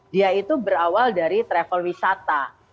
dia itu berawal dari travel wisata